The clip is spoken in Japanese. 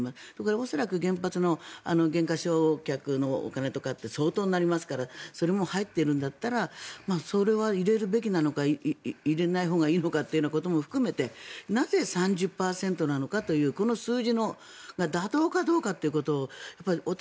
恐らく原発の減価償却のお金とかって相当になりますからそれも入ってるんだったらそれは入れるべきなのか入れないほうがいいのかっていうことも含めてなぜ、３０％なのかというこの数字が妥当かどうかということを私